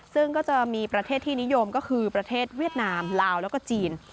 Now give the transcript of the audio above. ซึ่งก็จะมีประเทศที่นิยมก็คือประเทศเวียดนามลาวแล้วก็จีน